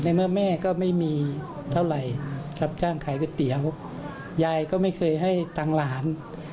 เมื่อแม่ก็ไม่มีเท่าไหร่รับจ้างขายก๋วยเตี๋ยวยายก็ไม่เคยให้ตังค์หลาน